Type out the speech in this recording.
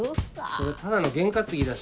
それただの験担ぎだし。